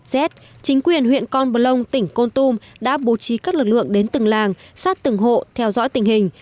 z chính quyền huyện con bờ lông tỉnh con tum đã bố trí các lực lượng đến từng làng sát từng hộ theo dõi tình hình